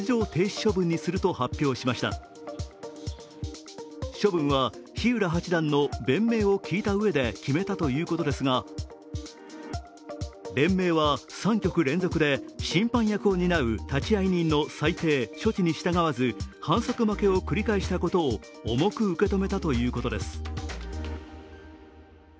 処分は日浦八段の弁明を聞いたうえで決めたということですが連盟は３局連続で審判役を担う立会人の裁定・処置に従わず反則負けを繰り返したことを重く受け止めたということです。